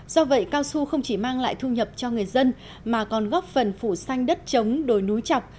do vậy cao su không chỉ mang lại thu nhập cho người dân mà còn góp phần phủ xanh đất trống đồi núi chọc